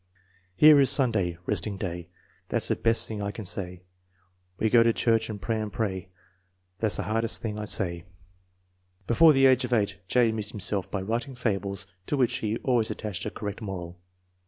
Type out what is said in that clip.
Here is Sunday, resting day; That's the best tiring I can say. We go to church and pray and pray, That's the hardest thing I say. FORTY ONE SUPERIOR CHILDREN 205 Before the age of eight J. amused himself by writing fables to which he always attached a correct moral.